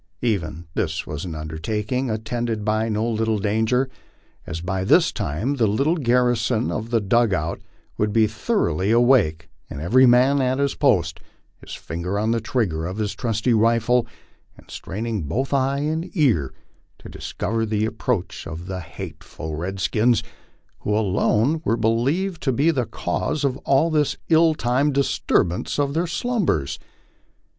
Even this was an undertaking attended by no little danger, as by this time the little garrison of the " dug out" would be thoroughly awake and every man at his post, his finger on the trigger of his trusty rifle, and strain ing both eye and ear to discover the approach of the hateful redskins, who alone were believed to be the cause of all this ill timed disturbance of their slumbers.